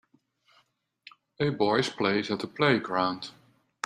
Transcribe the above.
A boys plays at the playground.